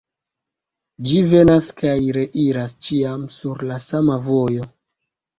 Ĝi venas kaj reiras ĉiam sur la sama vojo.